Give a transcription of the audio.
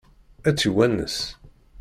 Ad tt-iwanes?